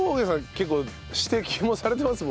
結構指摘もされてますもんね。